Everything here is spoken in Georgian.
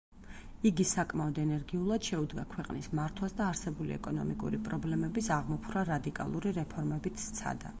იგი საკმაოდ ენერგიულად შეუდგა ქვეყნის მართვას და არსებული ეკონომიკური პრობლემების აღმოფხვრა რადიკალური რეფორმებით სცადა.